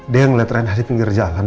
dia ngeliat reinhard di pinggir jalan